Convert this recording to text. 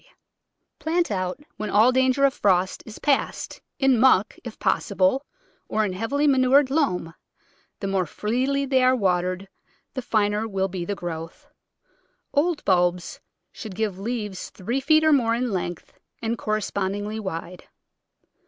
Digitized by Google iso The Flower Garden [Chapter Plant out when all danger of frost is past, in muck if possible, or in heavily manured loam; the more freely they are watered the finer will be the growth. Old bulbs should give leaves three feet or more in length and correspondingly wide.